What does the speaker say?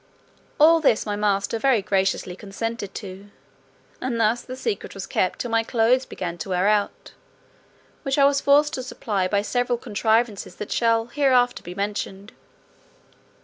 All this my master very graciously consented to; and thus the secret was kept till my clothes began to wear out, which I was forced to supply by several contrivances that shall hereafter be mentioned.